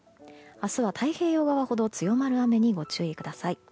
明日は太平洋側ほど強まる雨にご注意ください。